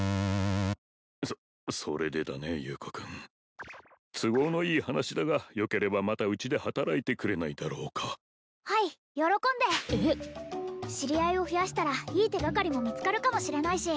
そそれでだね優子君都合のいい話だがよければまたうちで働いてくれないだろうかはい喜んでえっ知り合いを増やしたらいい手がかりも見つかるかもしれないし